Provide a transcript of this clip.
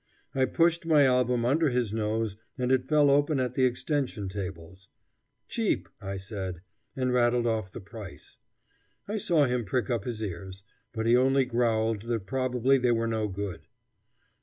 I pushed my album under his nose, and it fell open at the extension tables. Cheap, I said, and rattled off the price. I saw him prick up his ears, but he only growled that probably they were no good.